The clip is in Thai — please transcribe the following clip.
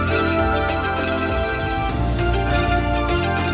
ตอนต่อไป